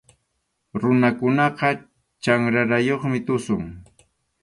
Runakunaqa chanrarayuqmi tusun.